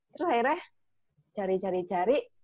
terus akhirnya cari cari cari